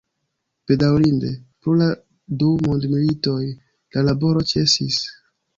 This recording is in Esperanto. Bedaŭrinde, pro la du mondmilitoj la laboro ĉesis.